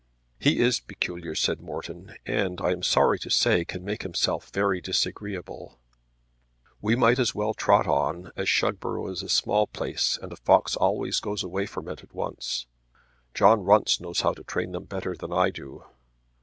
"He is peculiar," said Morton, "and I am sorry to say can make himself very disagreeable." "We might as well trot on as Shugborough is a small place, and a fox always goes away from it at once. John Runce knows how to train them better than I do."